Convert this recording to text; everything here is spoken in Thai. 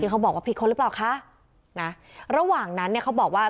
เขาบอกว่าผิดคนหรือเปล่าคะนะระหว่างนั้นเนี่ยเขาบอกว่า